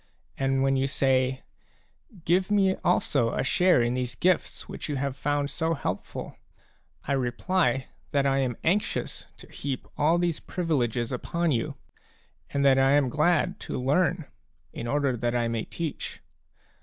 And when you say :" Give me also a share in these gifts which you have found so helpful/' I reply that I am anxious to heap all these privileges upon you, and that I am glad to learn in order that I may teach.